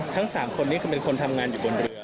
ทั้ง๓คนนี้คือเป็นคนทำงานอยู่บนเรือ